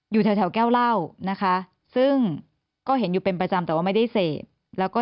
อยู่แถวแก้วเหล้านะคะซึ่งก็เห็นอยู่เป็นประจำแต่ว่าไม่ได้เสพแล้วก็